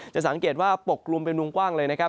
จะสังเกตว่าปกกลุ่มเป็นวงกว้างเลยนะครับ